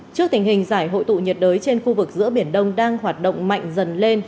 trước tình hình giải hội tụ nhiệt đới trên khu vực giữa biển đông đang hoạt động mạnh dần lên